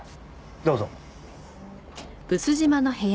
どうぞ。